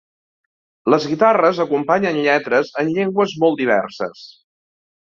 Les guitarres acompanyen lletres en llengües molt diverses.